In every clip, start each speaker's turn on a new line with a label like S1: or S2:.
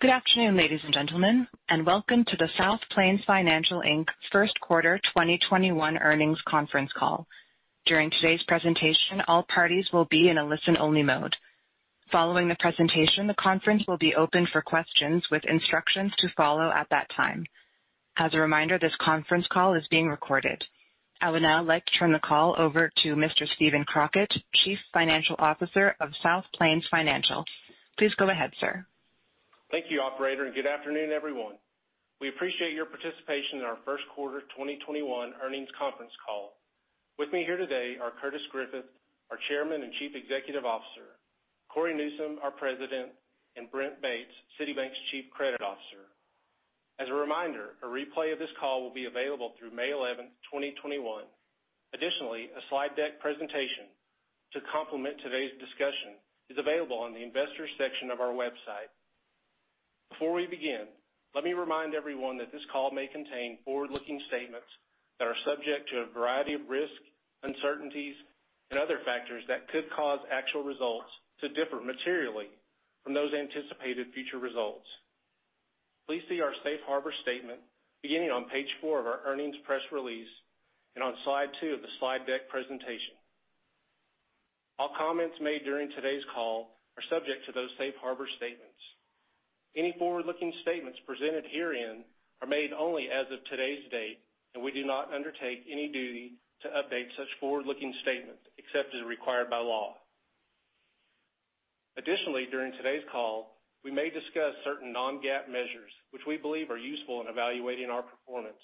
S1: Good afternoon, ladies and gentlemen, and welcome to the South Plains Financial, Inc. Q1 2021 Earnings Conference Call. During today's presentation, all parties will be in a listen-only mode. Following the presentation, the conference will be open for questions with instructions to follow at that time. As a reminder, this conference call is being recorded. I would now like to turn the call over to Mr. Steven Crockett, Chief Financial Officer of South Plains Financial. Please go ahead, sir.
S2: Thank you, operator. Good afternoon, everyone. We appreciate your participation in our Q1 2021 earnings conference call. With me here today are Curtis Griffith, our Chairman and Chief Executive Officer; Cory Newsom, our President; and Brent Bates, City Bank's Chief Credit Officer. As a reminder, a replay of this call will be available through May 11, 2021. Additionally, a slide deck presentation to complement today's discussion is available on the Investors section of our website. Before we begin, let me remind everyone that this call may contain forward-looking statements that are subject to a variety of risks, uncertainties, and other factors that could cause actual results to differ materially from those anticipated future results. Please see our safe harbor statement beginning on page four of our earnings press release, and on slide two of the slide deck presentation. All comments made during today's call are subject to those safe harbor statements. Any forward-looking statements presented herein, are made only as of today's date, and we do not undertake any duty to update such forward-looking statements, except as required by law. Additionally, during today's call, we may discuss certain non-GAAP measures which we believe are useful in evaluating our performance.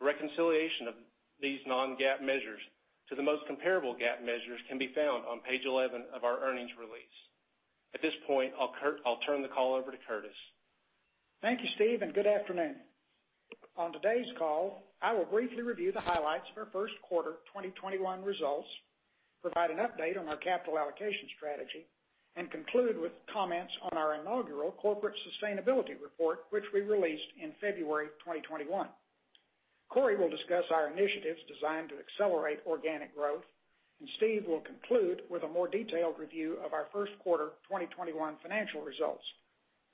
S2: The reconciliation of these non-GAAP measures to the most comparable GAAP measures can be found on page 11 of our earnings release. At this point, I'll turn the call over to Curtis.
S3: Thank you, Steve, and good afternoon. On today's call, I will briefly review the highlights of our Q1 2021 results, provide an update on our capital allocation strategy, and conclude with comments on our inaugural corporate sustainability report, which we released in February 2021. Cory will discuss our initiatives designed to accelerate organic growth, and Steve will conclude with a more detailed review of our Q1 2021 financial results.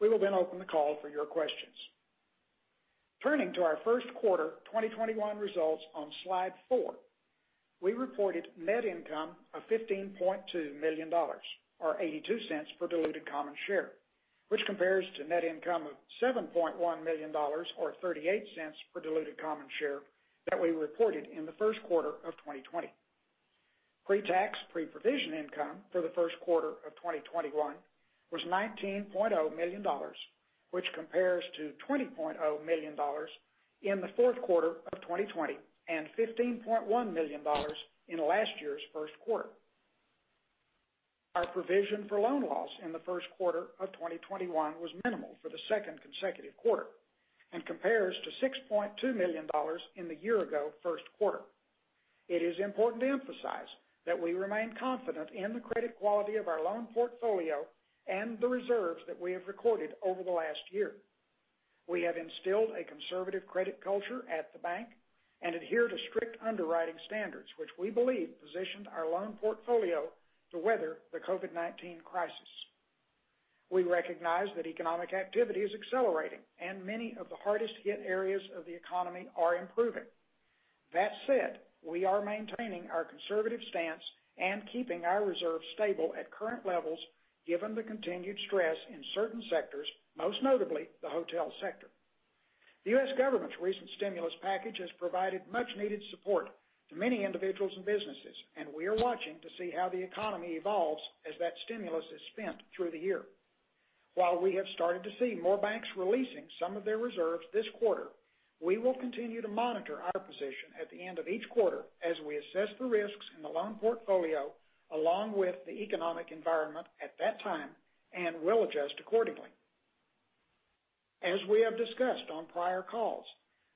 S3: We will open the call for your questions. Turning to our Q1 2021 results on slide four, we reported net income of $15.2 million, or $0.82 per diluted common share, which compares to net income of $7.1 million or $0.38 per diluted common share that we reported in the Q1 of 2020. Pre-tax, pre-provision income for the Q1 of 2021 was $19.0 million, which compares to $20.0 million in the Q4 of 2020 and $15.1 million in last year's Q1. Our provision for loan loss in the Q1 of 2021 was minimal for the second consecutive quarter and compares to $6.2 million in the year-ago Q1. It is important to emphasize that we remain confident in the credit quality of our loan portfolio and the reserves that we have recorded over the last year. We have instilled a conservative credit culture at the bank and adhere to strict underwriting standards, which we believe positioned our loan portfolio to weather the COVID-19 crisis. We recognize that economic activity is accelerating and many of the hardest-hit areas of the economy are improving. That said, we are maintaining our conservative stance and keeping our reserves stable at current levels given the continued stress in certain sectors, most notably the hotel sector. The U.S. government's recent stimulus package has provided much-needed support to many individuals and businesses, and we are watching to see how the economy evolves as that stimulus is spent through the year. While we have started to see more banks releasing some of their reserves this quarter, we will continue to monitor our position at the end of each quarter as we assess the risks in the loan portfolio along with the economic environment at that time and will adjust accordingly. As we have discussed on prior calls,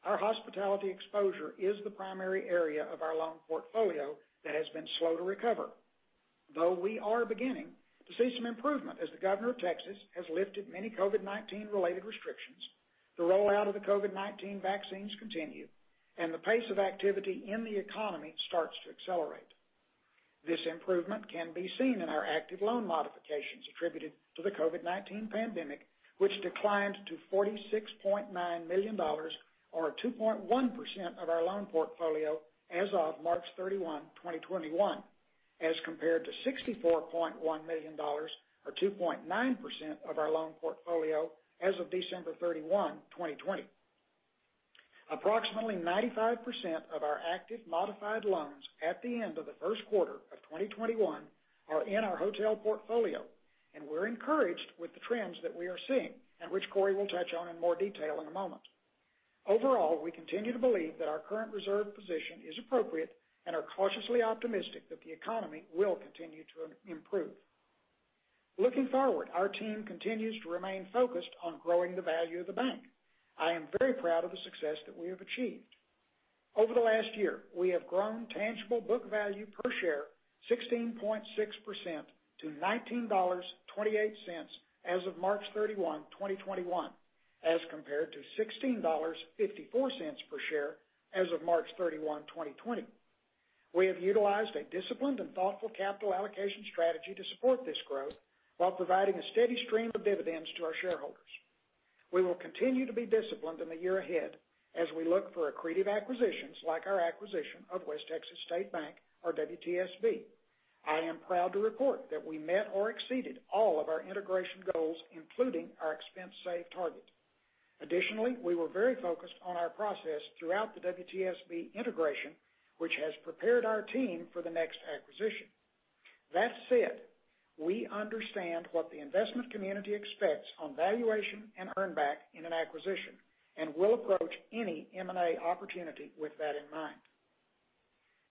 S3: our hospitality exposure is the primary area of our loan portfolio that has been slow to recover. Though we are beginning to see some improvement as the governor of Texas has lifted many COVID-19 related restrictions, the rollout of the COVID-19 vaccines continue, and the pace of activity in the economy starts to accelerate. This improvement can be seen in our active loan modifications attributed to the COVID-19 pandemic, which declined to $46.9 million, or 2.1% of our loan portfolio as of March 31, 2021, as compared to $64.1 million or 2.9% of our loan portfolio as of December 31, 2020. Approximately 95% of our active modified loans at the end of the Q1 of 2021 are in our hotel portfolio, and we're encouraged with the trends that we are seeing and which Cory will touch on in more detail in a moment. Overall, we continue to believe that our current reserve position is appropriate, and are cautiously optimistic that the economy will continue to improve. Looking forward, our team continues to remain focused on growing the value of the bank. I am very proud of the success that we have achieved. Over the last year, we have grown tangible book value per share 16.6% to $19.28 as of March 31, 2021, as compared to $16.54 per share as of March 31, 2020. We have utilized a disciplined and thoughtful capital allocation strategy to support this growth, while providing a steady stream of dividends to our shareholders. We will continue to be disciplined in the year ahead as we look for accretive acquisitions like our acquisition of West Texas State Bank, or WTSB. I am proud to report that we met or exceeded all of our integration goals, including our expense save target. Additionally, we were very focused on our process throughout the WTSB integration, which has prepared our team for the next acquisition. That said, we understand what the investment community expects on valuation and earn back in an acquisition, and will approach any M&A opportunity with that in mind.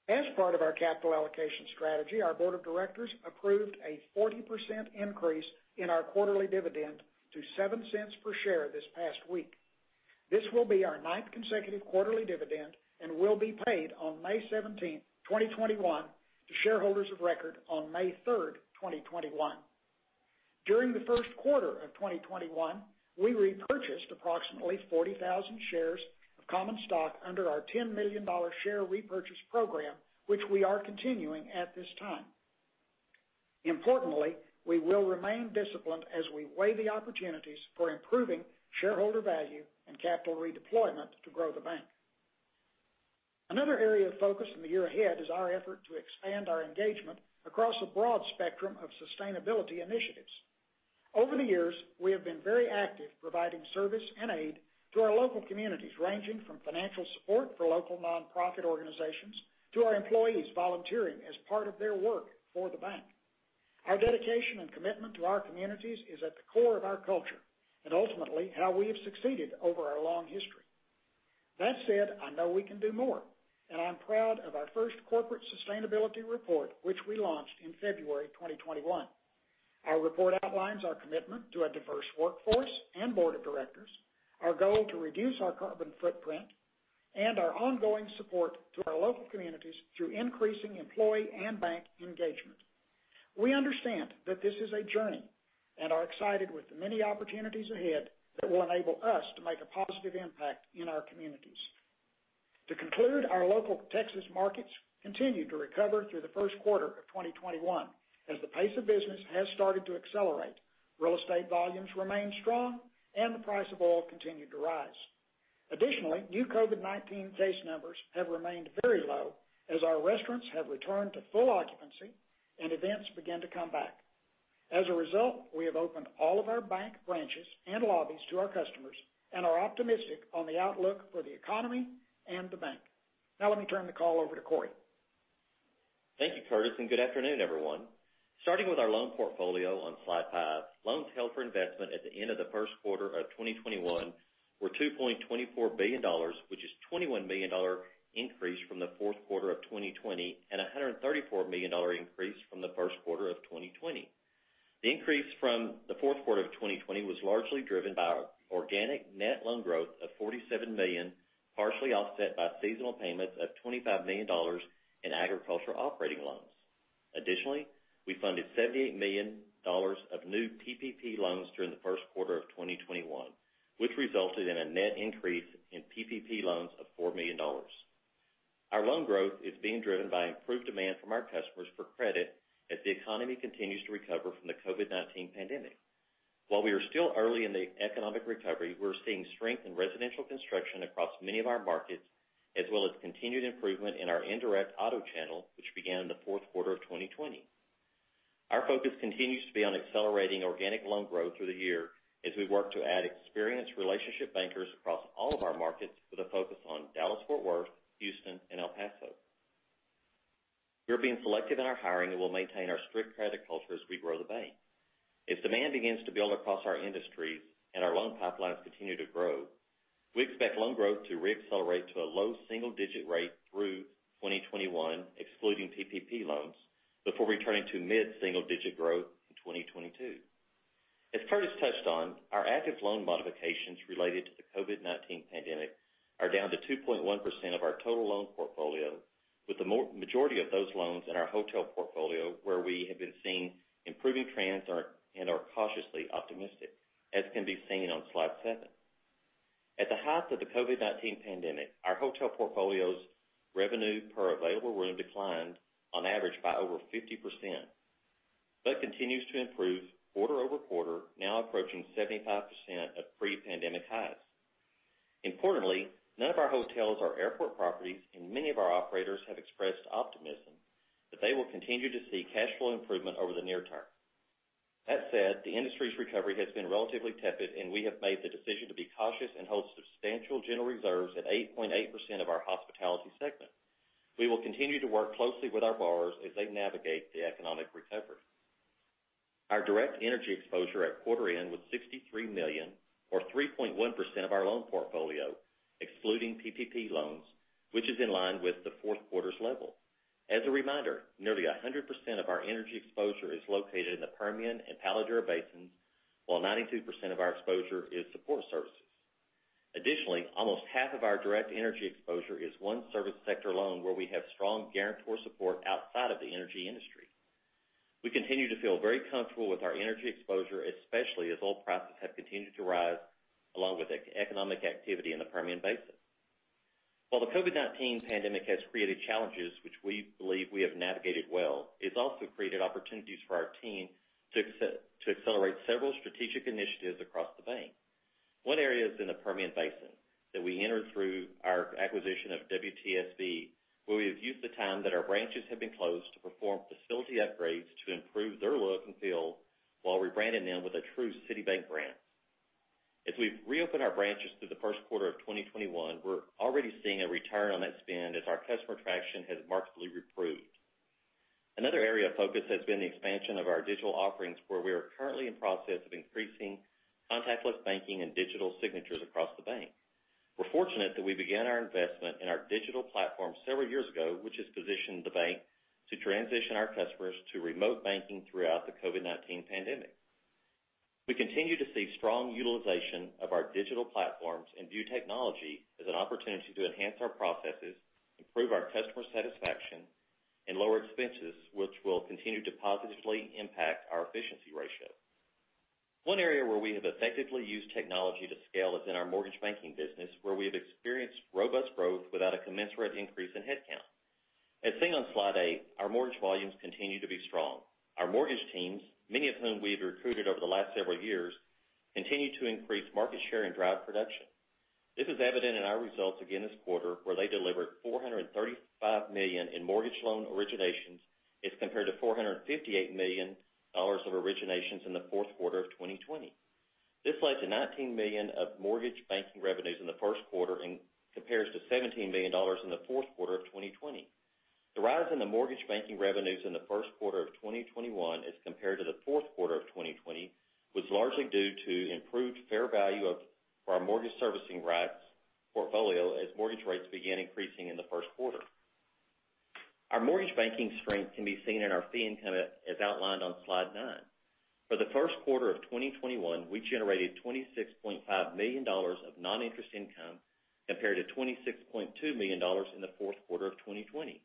S3: As part of our capital allocation strategy, our board of directors approved a 40% increase in our quarterly dividend to $0.07 per share this past week. This will be our ninth consecutive quarterly dividend and will be paid on May 17th, 2021, to shareholders of record on May 3rd, 2021. During the Q1 of 2021, we repurchased approximately 40,000 shares of common stock under our $10 million share repurchase program, which we are continuing at this time. Importantly, we will remain disciplined as we weigh the opportunities for improving shareholder value and capital redeployment to grow the bank. Another area of focus in the year ahead is our effort to expand our engagement across a broad spectrum of sustainability initiatives. Over the years, we have been very active providing service and aid to our local communities, ranging from financial support for local nonprofit organizations, to our employees volunteering as part of their work for the bank. Our dedication and commitment to our communities is at the core of our culture, and ultimately how we have succeeded over our long history. That said, I know we can do more, and I'm proud of our first corporate sustainability report, which we launched in February 2021. Our report outlines our commitment to a diverse workforce and board of directors, our goal to reduce our carbon footprint, and our ongoing support to our local communities through increasing employee and bank engagement. We understand that this is a journey and are excited with the many opportunities ahead that will enable us to make a positive impact in our communities. To conclude, our local Texas markets continue to recover through the Q1 of 2021 as the pace of business has started to accelerate, real estate volumes remain strong, and the price of oil continued to rise. Additionally, new COVID-19 case numbers have remained very low as our restaurants have returned to full occupancy and events begin to come back. As a result, we have opened all of our bank branches and lobbies to our customers and are optimistic on the outlook for the economy and the bank. Now let me turn the call over to Cory.
S4: Thank you, Curtis, and good afternoon, everyone. Starting with our loan portfolio on slide five, loans held for investment at the end of the Q1 of 2021 were $2.24 billion, which is a $21 million increase from the Q4 of 2020 and $134 million increase from the Q1 of 2020. The increase from the Q4 of 2020 was largely driven by organic net loan growth of $47 million, partially offset by seasonal payments of $25 million in agriculture operating loans. Additionally, we funded $78 million of new PPP loans during the Q1 of 2021, which resulted in a net increase in PPP loans of $4 million. Our loan growth is being driven by improved demand from our customers for credit as the economy continues to recover from the COVID-19 pandemic. While we are still early in the economic recovery, we're seeing strength in residential construction across many of our markets, as well as continued improvement in our indirect auto channel, which began in the Q4 of 2020. Our focus continues to be on accelerating organic loan growth through the year as we work to add experienced relationship bankers across all of our markets with a focus on Dallas Fort Worth, Houston and El Paso. We are being selective in our hiring and will maintain our strict credit culture as we grow the bank. If demand begins to build across our industries, and our loan pipelines continue to grow, we expect loan growth to re-accelerate to a low single-digit rate through 2021, excluding PPP loans, before returning to mid-single digit growth in 2022. As Curtis touched on, our active loan modifications related to the COVID-19 pandemic are down to 2.1% of our total loan portfolio, with the majority of those loans in our hotel portfolio where we have been seeing improving trends and are cautiously optimistic, as can be seen on slide seven. At the height of the COVID-19 pandemic, our hotel portfolio's revenue per available room declined on average by over 50%, but continues to improve quarter-over-quarter, now approaching 75% of pre-pandemic highs. Importantly, none of our hotels are airport properties and many of our operators have expressed optimism that they will continue to see cash flow improvement over the near term. That said, the industry's recovery has been relatively tepid and we have made the decision to be cautious and hold substantial general reserves at 8.8% of our hospitality segment. We will continue to work closely with our borrowers as they navigate the economic recovery. Our direct energy exposure at quarter end was $63 million, or 3.1% of our loan portfolio, excluding PPP loans, which is in line with the Q4's level. As a reminder, nearly 100% of our energy exposure is located in the Permian and Palo Duro basins, while 92% of our exposure is support services. Additionally, almost half of our direct energy exposure is one service sector loan where we have strong guarantor support. The energy industry. We continue to feel very comfortable with our energy exposure, especially as oil prices have continued to rise along with economic activity in the Permian Basin. While the COVID-19 pandemic has created challenges which we believe we have navigated well, it's also created opportunities for our team to accelerate several strategic initiatives across the bank. One area is in the Permian Basin that we entered through our acquisition of WTSB, where we have used the time that our branches have been closed to perform facility upgrades to improve their look and feel, while rebranding them with a true City Bank brand. As we've reopened our branches through the Q1 of 2021, we're already seeing a return on that spend as our customer traction has markedly improved. Another area of focus has been the expansion of our digital offerings, where we are currently in process of increasing contactless banking and digital signatures across the bank. We're fortunate that we began our investment in our digital platform several years ago, which has positioned the bank to transition our customers to remote banking throughout the COVID-19 pandemic. We continue to see strong utilization of our digital platforms and view technology as an opportunity to enhance our processes, improve our customer satisfaction, and lower expenses, which will continue to positively impact our efficiency ratio. One area where we have effectively used technology to scale is in our mortgage banking business, where we have experienced robust growth without a commensurate increase in headcount. As seen on slide eight, our mortgage volumes continue to be strong. Our mortgage teams, many of whom we've recruited over the last several years, continue to increase market share and drive production. This is evident in our results again this quarter, where they delivered $435 million in mortgage loan originations as compared to $458 million of originations in the Q4 of 2020. This led to $19 million of mortgage banking revenues in the Q1, and compares to $17 million in the Q4 of 2020. The rise in the mortgage banking revenues in the Q1 of 2021 as compared to the Q4 of 2020, was largely due to improved fair value of our mortgage servicing rights portfolio as mortgage rates began increasing in the Q1. Our mortgage banking strength can be seen in our fee income as outlined on slide nine. For the Q1 of 2021, we generated $26.5 million of non-interest income compared to $26.2 million in the Q4 of 2020.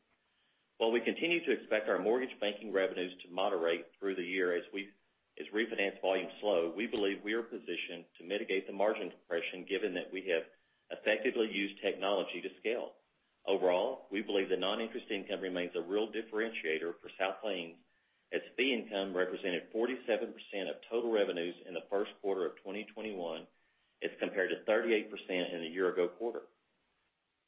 S4: While we continue to expect our mortgage banking revenues to moderate through the year as refinance volumes slow, we believe we are positioned to mitigate the margin depression given that we have effectively used technology to scale. Overall, we believe that non-interest income remains a real differentiator for South Plains, as fee income represented 47% of total revenues in the Q1 of 2021, as compared to 38% in the year ago quarter.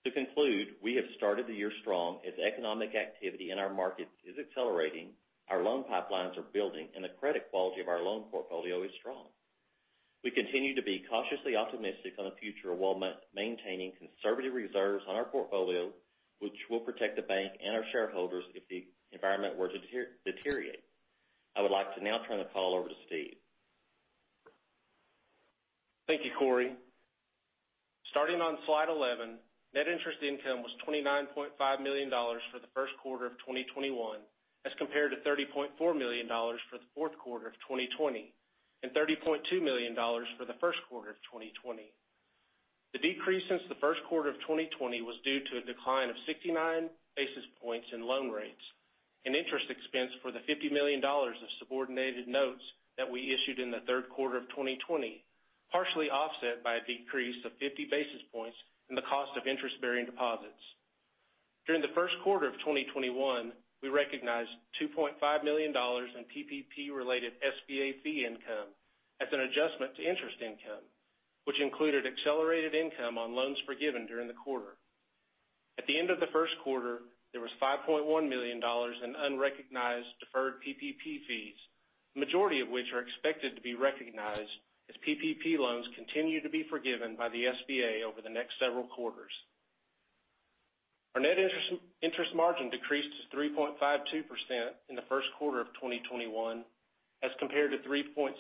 S4: To conclude, we have started the year strong as economic activity in our markets is accelerating, our loan pipelines are building, and the credit quality of our loan portfolio is strong. We continue to be cautiously optimistic on the future while maintaining conservative reserves on our portfolio, which will protect the bank and our shareholders if the environment were to deteriorate. I would like to now turn the call over to Steve.
S2: Thank you, Cory. Starting on slide 11, net interest income was $29.5 million for the Q1 of 2021 as compared to $30.4 million for the Q4 of 2020, and $30.2 million for the Q1 of 2020. The decrease since the Q1 of 2020 was due to a decline of 69 basis points in loan rates, and interest expense for the $50 million of subordinated notes that we issued in the Q2 of 2020, partially offset by a decrease of 50 basis points in the cost of interest-bearing deposits. During the Q1 of 2021, we recognized $2.5 million in PPP related SBA fee income as an adjustment to interest income, which included accelerated income on loans forgiven during the quarter. At the end of the Q1, there was $5.1 million in unrecognized deferred PPP fees, the majority of which are expected to be recognized as PPP loans continue to be forgiven by the SBA over the next several quarters. Our net interest margin decreased to 3.52% in the Q1 of 2021 as compared to 3.64%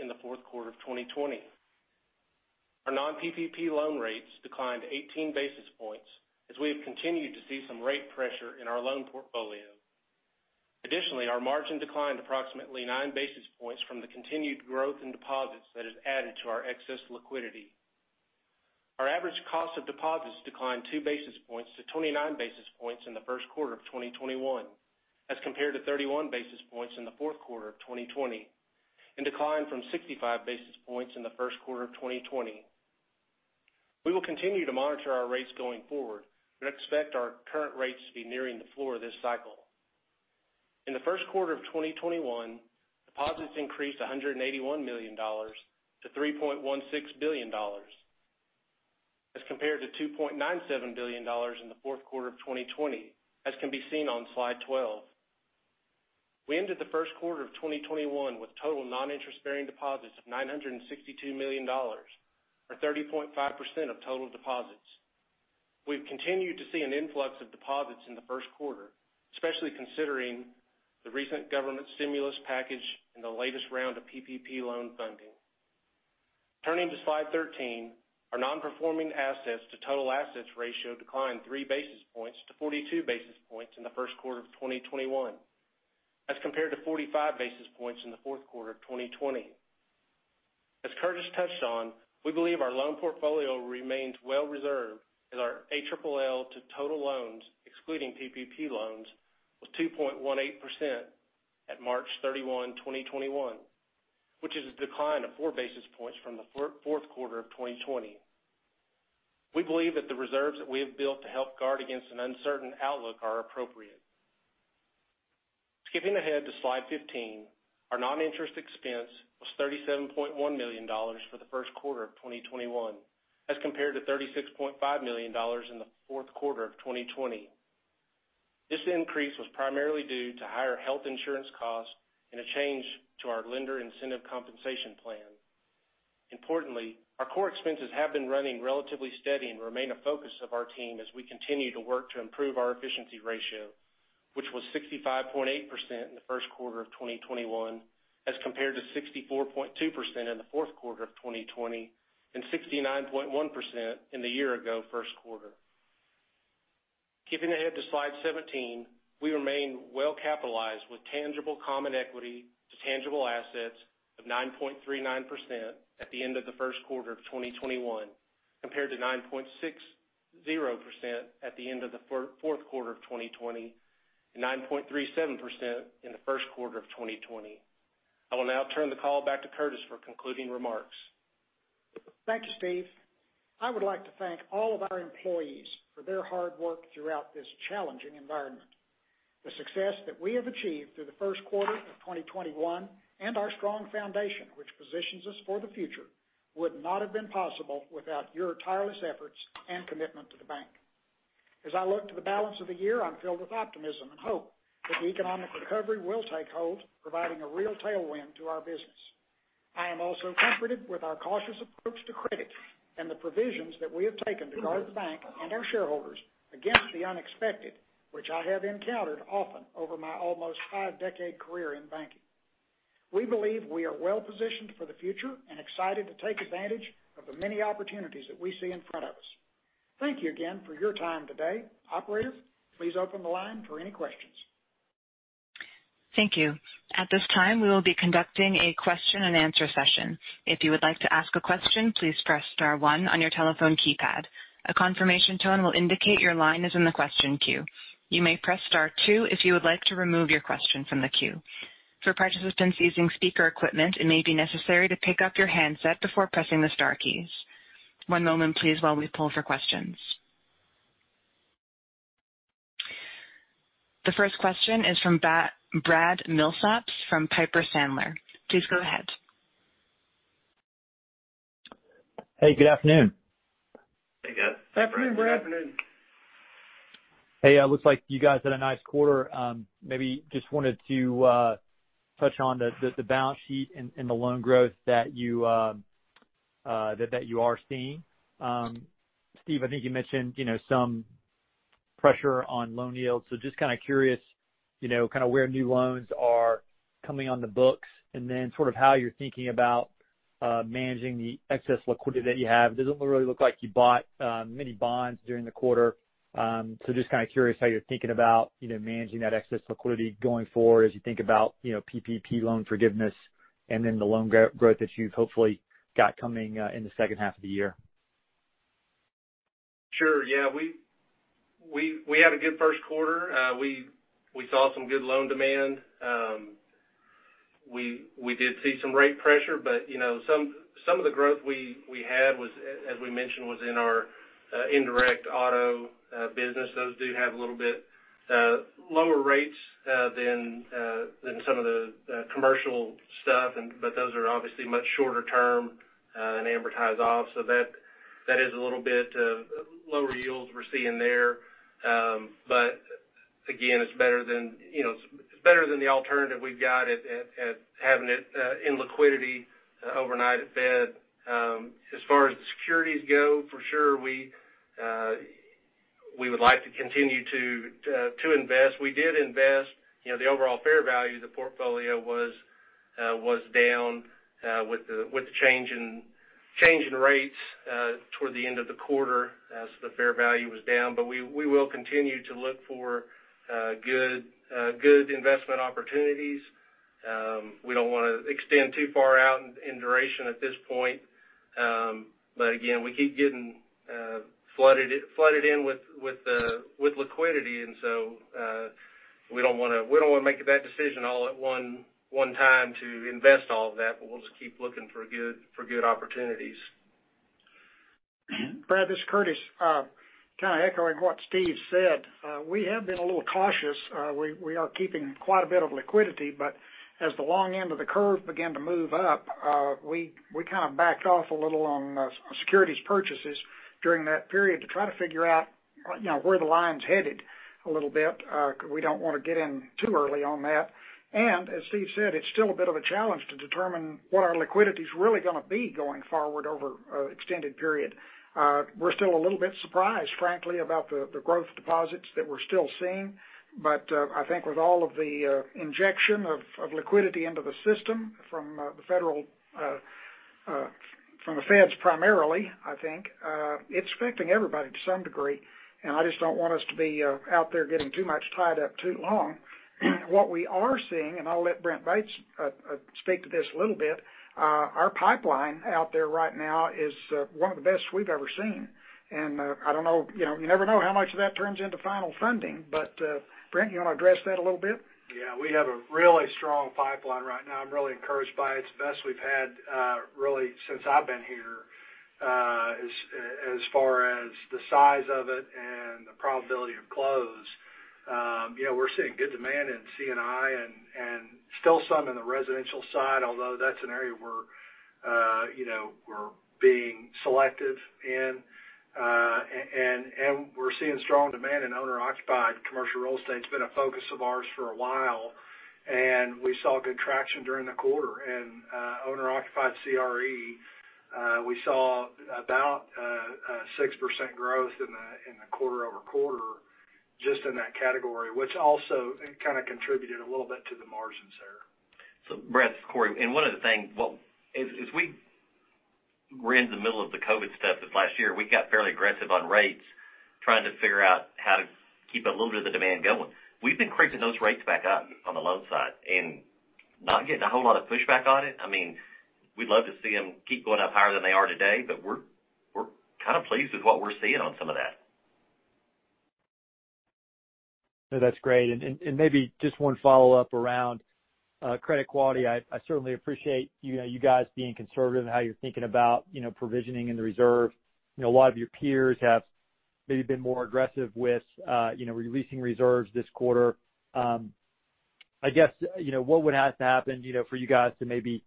S2: in the Q4 of 2020. Our non-PPP loan rates declined 18 basis points as we have continued to see some rate pressure in our loan portfolio. Additionally, our margin declined approximately nine basis points from the continued growth in deposits that has added to our excess liquidity. Our average cost of deposits declined two basis points to 29 basis points in the Q1 of 2021 as compared to 31 basis points in the Q4 of 2020, and declined from 65 basis points in the Q1 of 2020. We will continue to monitor our rates going forward and expect our current rates to be nearing the floor this cycle. In the Q1 of 2021, deposits increased $181 million to $3.16 billion as compared to $2.97 billion in the Q4 of 2020, as can be seen on slide 12. We ended the Q1 of 2021 with total non-interest bearing deposits of $962 million, or 30.5% of total deposits. We've continued to see an influx of deposits in the Q1, especially considering the recent government stimulus package and the latest round of PPP loan funding. Turning to slide 13, our non-performing assets to total assets ratio declined three basis points to 42 basis points in the Q1 of 2021, as compared to 45 basis points in the Q4 of 2020. As Curtis touched on, we believe our loan portfolio remains well reserved, as our ALLL to total loans, excluding PPP loans, was 2.18% at March 31, 2021, which is a decline of four basis points from the Q4 of 2020. We believe that the reserves that we have built to help guard against an uncertain outlook are appropriate. Skipping ahead to slide 15, our non-interest expense was $37.1 million for the Q1 of 2021, as compared to $36.5 million in the Q4 of 2020. This increase was primarily due to higher health insurance costs, and a change to our lender incentive compensation plan. Importantly, our core expenses have been running relatively steady and remain a focus of our team as we continue to work to improve our efficiency ratio, which was 65.8% in the Q1 of 2021, as compared to 64.2% in the Q4 of 2020, and 69.1% in the year ago Q1. Skipping ahead to slide 17, we remain well capitalized with tangible common equity to tangible assets of 9.39% at the end of the Q1 of 2021 compared to 9.60% at the end of the Q4 of 2020 and 9.37% in the Q1 of 2020. I will now turn the call back to Curtis for concluding remarks.
S3: Thank you, Steve. I would like to thank all of our employees for their hard work throughout this challenging environment. The success that we have achieved through the Q1 of 2021 and our strong foundation, which positions us for the future, would not have been possible without your tireless efforts and commitment to the bank. As I look to the balance of the year, I'm filled with optimism and hope that the economic recovery will take hold, providing a real tailwind to our business. I am also comforted with our cautious approach to credit and the provisions that we have taken to guard the bank and our shareholders against the unexpected, which I have encountered often over my almost five-decade career in banking. We believe we are well positioned for the future and excited to take advantage of the many opportunities that we see in front of us. Thank you again for your time today. Operator, please open the line for any questions.
S1: Thank you. At this time, we will be conducting a question and answer session. If you like to ask a question, please press star one on your telephone keypard. A confirmation tone will indicate your line is in the question queue. You may press star two if you like to remove your question from the queue. For participants using speaker equipment, it may be necessary pick up your handset before pressing the star keys. One moment please while we poll for questions. The first question is from Brad Milsaps from Piper Sandler. Please go ahead.
S5: Hey, good afternoon.
S4: Hey, good.
S3: Afternoon, Brad.
S2: Good afternoon.
S5: Hey, it looks like you guys had a nice quarter. Maybe just wanted to touch on the balance sheet and the loan growth that you are seeing. Steve, I think you mentioned some pressure on loan yields, just kind of curious where new loans are coming on the books and then sort of how you're thinking about managing the excess liquidity that you have. Doesn't really look like you bought many bonds during the quarter, just kind of curious how you're thinking about managing that excess liquidity going forward as you think about PPP loan forgiveness, and then the loan growth that you've hopefully got coming in the second half of the year.
S2: Sure. Yeah. We had a good Q1. We saw some good loan demand. We did see some rate pressure, but some of the growth we had, as we mentioned, was in our indirect auto business. Those do have a little bit lower rates than some of the commercial stuff, but those are obviously much shorter term and amortize off. That is a little bit of lower yields we're seeing there. Again, it's better than the alternative we've got at having it in liquidity overnight at Fed. As far as the securities go, for sure, we would like to continue to invest. We did invest. The overall fair value of the portfolio was down with the change in rates toward the end of the quarter as the fair value was down. We will continue to look for good investment opportunities. We don't want to extend too far out in duration at this point. Again, we keep getting flooded in with liquidity, and so we don't want to make that decision all at one time to invest all of that, but we'll just keep looking for good opportunities.
S3: Brad, this is Curtis. Kind of echoing what Steve said, we have been a little cautious. We are keeping quite a bit of liquidity, but as the long end of the curve began to move up, we kind of backed off a little on securities purchases during that period to try to figure out where the line's headed a little bit. We don't want to get in too early on that. As Steve said, it's still a bit of a challenge to determine what our liquidity's really going to be going forward over an extended period. We're still a little bit surprised, frankly, about the growth deposits that we're still seeing. I think with all of the injection of liquidity into the system from the Fed primarily, I think. It's affecting everybody to some degree, and I just don't want us to be out there getting too much tied up too long. What we are seeing, and I'll let Brent Bates speak to this a little bit, our pipeline out there right now is one of the best we've ever seen. You never know how much of that turns into final funding. Brent, you want to address that a little bit?
S6: Yeah. We have a really strong pipeline right now. I'm really encouraged by it. It's the best we've had, really, since I've been here, as far as the size of it and the probability of close. We're seeing good demand in C&I and still some in the residential side, although that's an area where we're being selective in. We're seeing strong demand in owner-occupied commercial real estate. It's been a focus of ours for a while, and we saw good traction during the quarter. Owner-occupied CRE, we saw about a 6% growth in the quarter-over-quarter just in that category, which also kind of contributed a little bit to the margins there.
S4: Brad, it's Cory. One of the things, as we were in the middle of the COVID-19 stuff of last year, we got fairly aggressive on rates trying to figure out how to keep a little bit of the demand going. We've been creeping those rates back up on the loan side not getting a whole lot of pushback on it. We'd love to see them keep going up higher than they are today, we're kind of pleased with what we're seeing on some of that.
S5: No, that's great. Maybe just one follow-up around credit quality. I certainly appreciate you guys being conservative in how you're thinking about provisioning in the reserve. A lot of your peers have maybe been more aggressive with releasing reserves this quarter. I guess, what would have to happen for you guys to maybe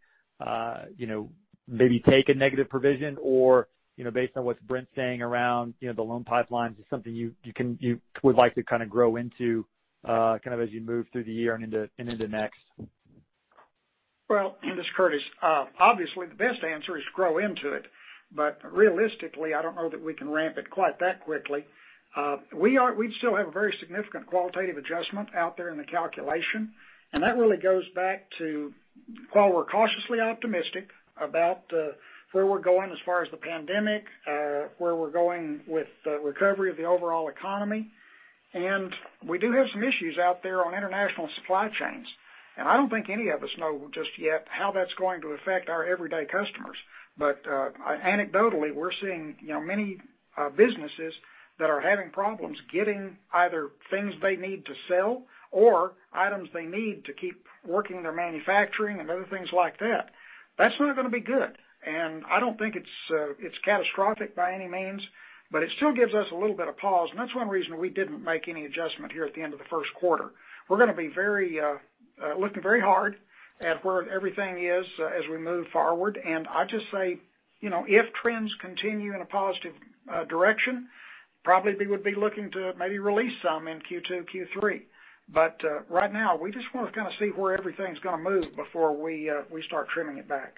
S5: take a negative provision or, based on what Brent's saying around the loan pipelines, is something you would like to kind of grow into as you move through the year and into next?
S3: This is Curtis. Obviously, the best answer is grow into it. Realistically, I don't know that we can ramp it quite that quickly. We still have a very significant qualitative adjustment out there in the calculation, that really goes back to while we're cautiously optimistic about where we're going as far as the COVID-19, where we're going with the recovery of the overall economy, we do have some issues out there on international supply chains. I don't think any of us know just yet how that's going to affect our everyday customers. Anecdotally, we're seeing many businesses that are having problems getting either things they need to sell or items they need to keep working their manufacturing and other things like that. That's not going to be good. I don't think it's catastrophic by any means, but it still gives us a little bit of pause, and that's one reason we didn't make any adjustment here at the end of the Q1. We're going to be looking very hard at where everything is as we move forward. I just say, if trends continue in a positive direction, probably we would be looking to maybe release some in Q2, Q3. Right now, we just want to kind of see where everything's going to move before we start trimming it back.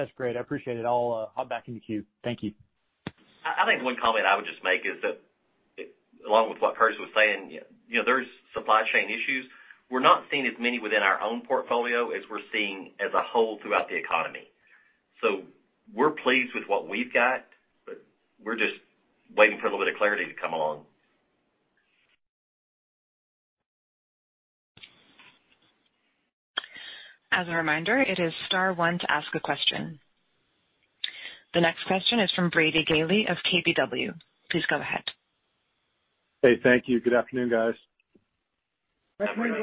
S5: That's great. I appreciate it. I'll hop back in the queue. Thank you.
S4: I think one comment I would just make is that, along with what Curtis was saying, there's supply chain issues. We're not seeing as many within our own portfolio as we're seeing as a whole throughout the economy. We're pleased with what we've got, but we're just waiting for a little bit of clarity to come along.
S1: As a reminder, it is star one to ask a question. The next question is from Brady Gailey of KBW. Please go ahead.
S7: Hey, thank you. Good afternoon, guys.
S3: Good afternoon.
S6: Good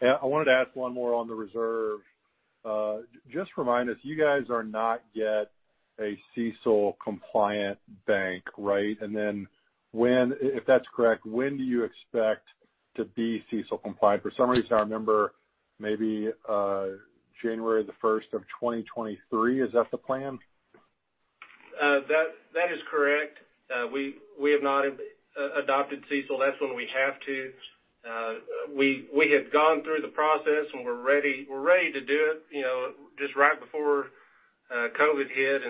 S6: afternoon.
S7: I wanted to ask one more on the reserve. Just remind us, you guys are not yet a CECL-compliant bank, right? If that's correct, when do you expect to be CECL compliant? For some reason, I remember maybe January the 1st of 2023. Is that the plan?
S6: That is correct. We have not adopted CECL. That's when we have to. We had gone through the process, and we're ready to do it just right before COVID hit.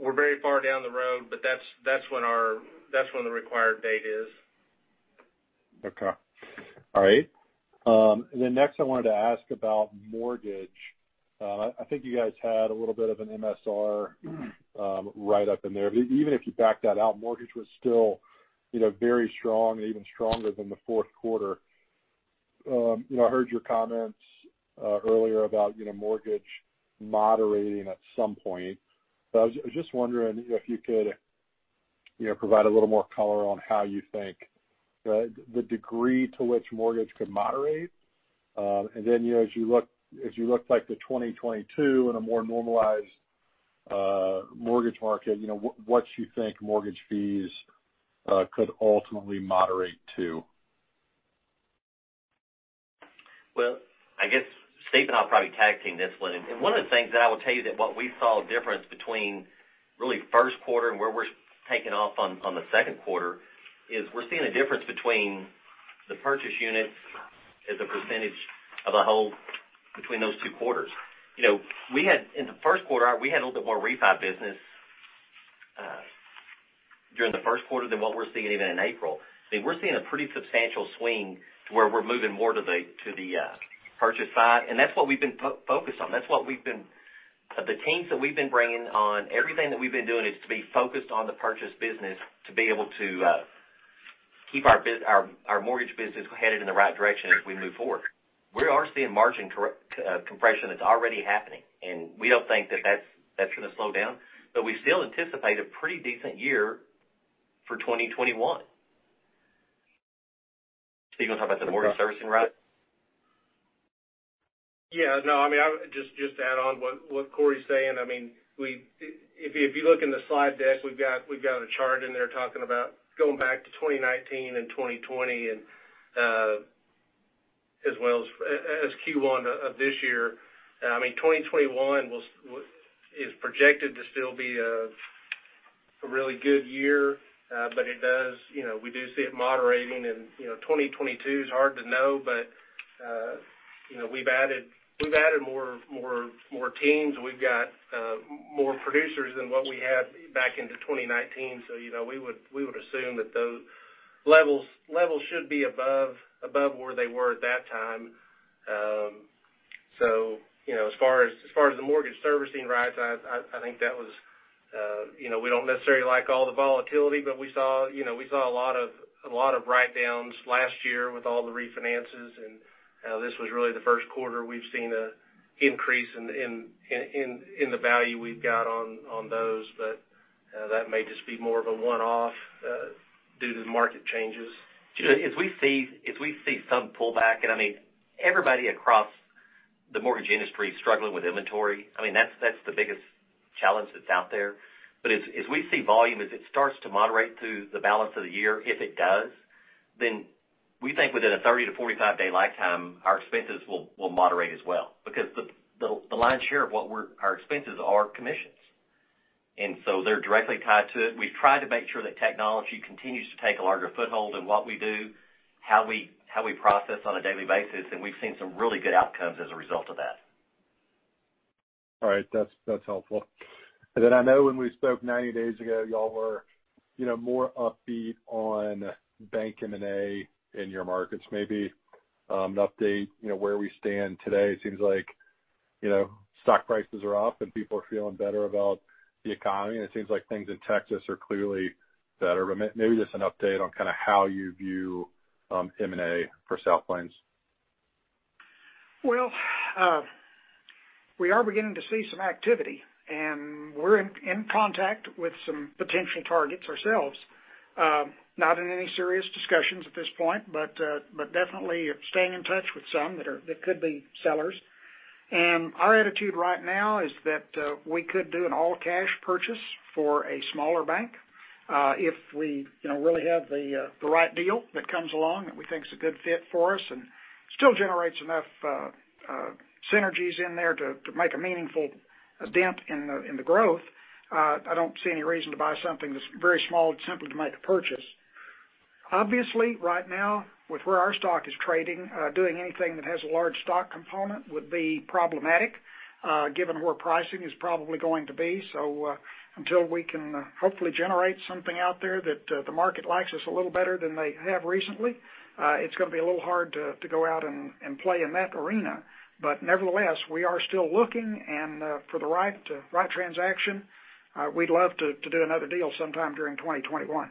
S6: We're very far down the road, but that's when the required date is.
S7: Okay. All right. Next, I wanted to ask about mortgage. I think you guys had a little bit of an MSR write-up in there. Even if you backed that out, mortgage was still very strong and even stronger than the Q4. I heard your comments earlier about mortgage moderating at some point. I was just wondering if you could provide a little more color on how you think the degree to which mortgage could moderate. As you look like to 2022 in a more normalized mortgage market, what do you think mortgage fees could ultimately moderate to?
S4: I guess Steve and I will probably tag-team this one. One of the things that I will tell you that what we saw a difference between really Q1 and where we're taking off on the Q2 is we're seeing a difference between the purchase units as a percentage of a whole between those two quarters. In the Q1, we had a little bit more refi business during the Q1 than what we're seeing even in April. We're seeing a pretty substantial swing to where we're moving more to the purchase side, and that's what we've been focused on. The teams that we've been bringing on, everything that we've been doing is to be focused on the purchase business to be able to keep our mortgage business headed in the right direction as we move forward. We are seeing margin compression that's already happening, and we don't think that that's going to slow down. We still anticipate a pretty decent year for 2021. Steve, you want to talk about the mortgage servicing right?
S2: Yeah, no, just to add on what Cory's saying, if you look in the slide deck, we've got a chart in there talking about going back to 2019 and 2020, as well as Q1 of this year. 2021 is projected to still be a really good year. We do see it moderating and 2022 is hard to know, but we've added more teams. We've got more producers than what we had back into 2019. We would assume that those levels should be above where they were at that time. As far as the mortgage servicing rights, we don't necessarily like all the volatility, but we saw a lot of write-downs last year with all the refinances, and this was really the Q1 we've seen an increase in the value we've got on those. That may just be more of a one-off due to the market changes.
S4: As we see some pullback, everybody across the mortgage industry is struggling with inventory. That's the biggest challenge that's out there. As we see volume, as it starts to moderate through the balance of the year, if it does, then we think within a 30- to 45-day lifetime, our expenses will moderate as well. The lion's share of our expenses are commissions, they're directly tied to it. We've tried to make sure that technology continues to take a larger foothold in what we do, how we process on a daily basis, and we've seen some really good outcomes as a result of that.
S7: All right. That's helpful. Then I know when we spoke 90 days ago, y'all were more upbeat on bank M&A in your markets. Maybe an update where we stand today, it seems like stock prices are up and people are feeling better about the economy, and it seems like things in Texas are clearly better. Maybe just an update on how you view M&A for South Plains.
S3: Well, we are beginning to see some activity, we're in contact with some potential targets ourselves. Not in any serious discussions at this point, definitely staying in touch with some that could be sellers. Our attitude right now is that we could do an all-cash purchase for a smaller bank, if we really have the right deal that comes along that we think is a good fit for us and still generates enough synergies in there to make a meaningful dent in the growth. I don't see any reason to buy something that's very small simply to make a purchase. Obviously, right now, with where our stock is trading, doing anything that has a large stock component would be problematic given where pricing is probably going to be. Until we can hopefully generate something out there that the market likes us a little better than they have recently, it's going to be a little hard to go out and play in that arena. Nevertheless, we are still looking, and for the right transaction, we'd love to do another deal sometime during 2021.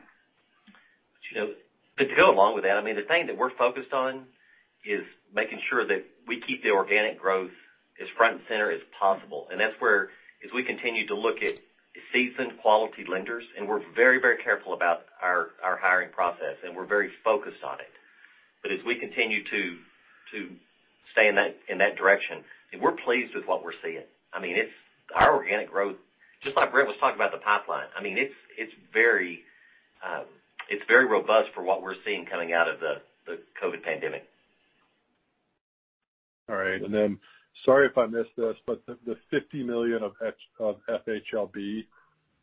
S4: To go along with that, the thing that we're focused on is making sure that we keep the organic growth as front and center as possible. That's where as we continue to look at seasoned quality lenders, and we're very careful about our hiring process, and we're very focused on it. As we continue to stay in that direction, and we're pleased with what we're seeing. Our organic growth, just like Brent was talking about the pipeline it's very robust for what we're seeing coming out of the COVID pandemic.
S7: All right. Sorry if I missed this, but the $50 million of FHLB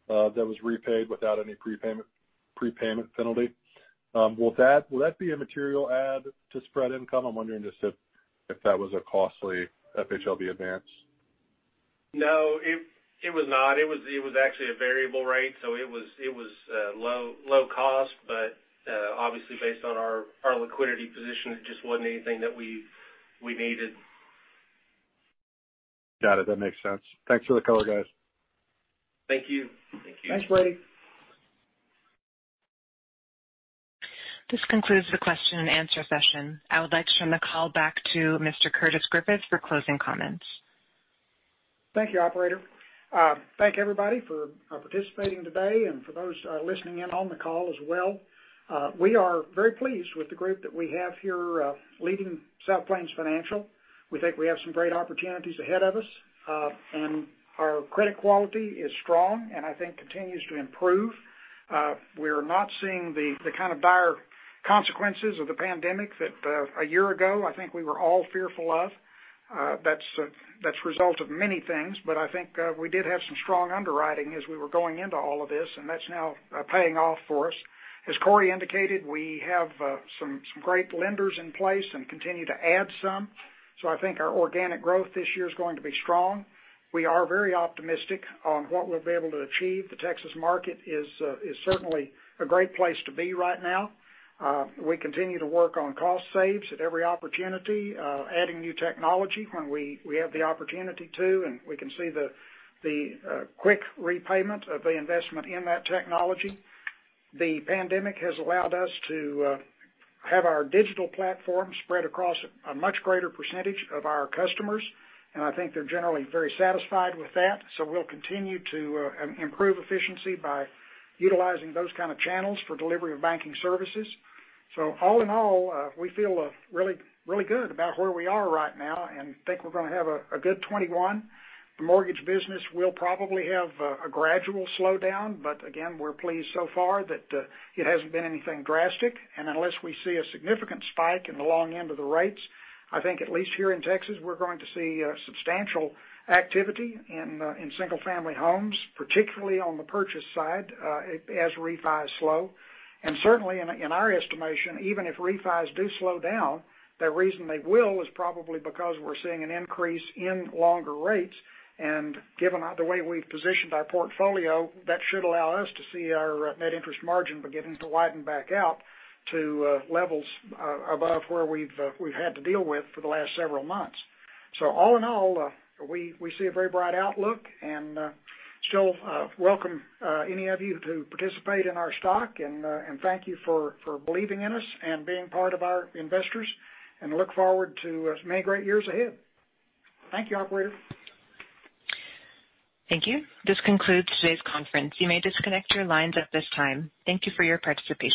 S7: that was repaid without any prepayment penalty, will that be a material add to spread income? I'm wondering just if that was a costly FHLB advance.
S2: No, it was not. It was actually a variable rate. It was low cost, but obviously based on our liquidity position, it just wasn't anything that we needed.
S7: Got it. That makes sense. Thanks for the color, guys.
S4: Thank you.
S3: Thanks, Brady.
S1: This concludes the question and answer session. I would like to turn the call back to Mr. Curtis Griffith for closing comments.
S3: Thank you, operator. Thank you everybody for participating today and for those listening in on the call as well. We are very pleased with the group that we have here leading South Plains Financial. We think we have some great opportunities ahead of us. Our credit quality is strong, and I think continues to improve. We are not seeing the kind of dire consequences of the pandemic that a year ago I think we were all fearful of. That's a result of many things, but I think we did have some strong underwriting as we were going into all of this, and that's now paying off for us. As Cory indicated, we have some great lenders in place and continue to add some. I think our organic growth this year is going to be strong. We are very optimistic on what we'll be able to achieve. The Texas market is certainly a great place to be right now. We continue to work on cost saves at every opportunity, adding new technology when we have the opportunity to, and we can see the quick repayment of the investment in that technology. The pandemic has allowed us to have our digital platform spread across a much greater percentage of our customers, and I think they're generally very satisfied with that. We'll continue to improve efficiency by utilizing those kind of channels for delivery of banking services. All in all, we feel really good about where we are right now and think we're going to have a good 2021. The mortgage business will probably have a gradual slowdown, but again, we're pleased so far that it hasn't been anything drastic. Unless we see a significant spike in the long end of the rates, I think at least here in Texas, we're going to see substantial activity in single family homes, particularly on the purchase side, as refis slow. Certainly, in our estimation, even if refis do slow down, the reason they will is probably because we're seeing an increase in longer rates. Given the way we've positioned our portfolio, that should allow us to see our net interest margin beginning to widen back out to levels above where we've had to deal with for the last several months. All in all, we see a very bright outlook, and still welcome any of you to participate in our stock. Thank you for believing in us and being part of our investors, and look forward to many great years ahead. Thank you, operator.
S1: Thank you. This concludes today's conference. You may disconnect your lines at this time. Thank you for your participation.